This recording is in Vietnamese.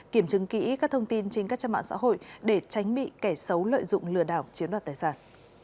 kiểm chứng kỹ các thông tin trên các trang mạng xã hội để tránh bị kẻ xấu lợi dụng lừa đảo chiếm đoạt tài sản